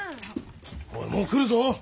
おいもう来るぞ。